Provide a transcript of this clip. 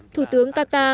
thủ tướng qatar